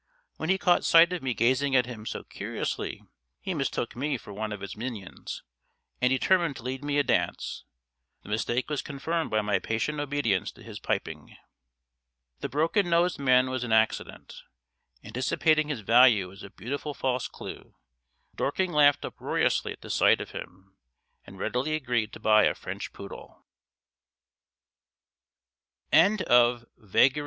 When he caught sight of me gazing at him so curiously he mistook me for one of its minions, and determined to lead me a dance; the mistake was confirmed by my patient obedience to his piping. The broken nosed man was an accident. Anticipating his value as a beautiful false clue, Dorking laughed uproariously at the sight of him, and readily agreed to buy a French poodle.